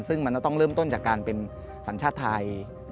ซึ่งมันจะต้องเริ่มต้นจากการเป็นสัญชาติไทย